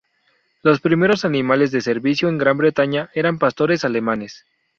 Los primeros animales de servicio en Gran Bretaña eran pastores alemanes.